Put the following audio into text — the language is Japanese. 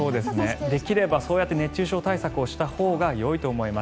できればそうやって熱中症対策をしたほうがいいと思います。